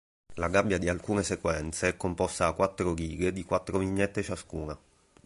La gabbia di alcune sequenze è composta da quattro righe di quattro vignette ciascuna.